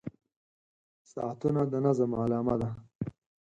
• ساعتونه د نظم علامه ده.